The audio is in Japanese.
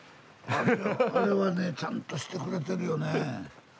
あれはねえちゃんとしてくれてるよねえ。